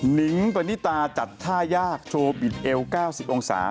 นิงปณิตาจัดท่ายากโชว์บิดเอว๙๐องศา